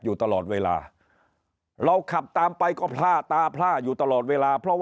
อยู่ตลอดเวลาเราขับตามไปก็พล่าตาพล่าอยู่ตลอดเวลาเพราะว่า